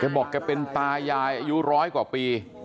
บอกแกเป็นตายายอายุร้อยกว่าปี